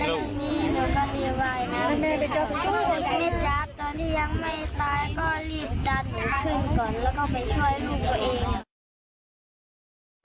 แล้วก็ไปช่วยลูกก็เอง